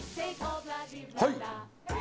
はい！